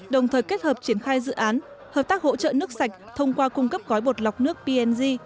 đồng thời kết hợp triển khai dự án hợp tác hỗ trợ nước sạch thông qua cung cấp gói bột lọc nước png